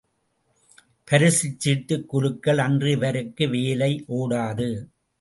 பரிசுச் சீட்டுக் குலுக்கல் அன்று இவருக்கு வேலை ஓடாது!